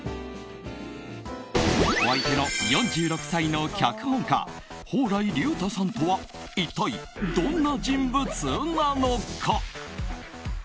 お相手の４６歳の脚本家蓬莱竜太さんとは一体、どんな人物なのか。